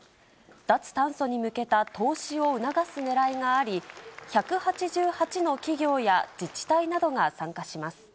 脱炭素に向けた投資を促すねらいがあり、１８８の企業や自治体などが参加します。